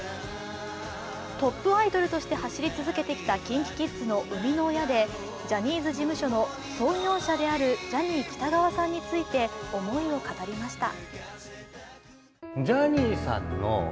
トップアイドルとして走り続けてきたＫｉｎＫｉＫｉｄｓの生みの親でジャニーズ事務所の創業者であるジャニー喜多川さんについて思いを語りました。